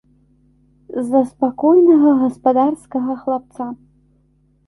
За спакойнага гаспадарскага хлапца.